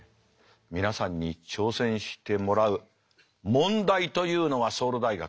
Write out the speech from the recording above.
皆さんに挑戦してもらう問題というのはソウル大学